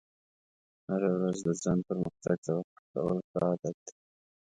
هره ورځ د ځان پرمختګ ته وقف کول ښه عادت دی.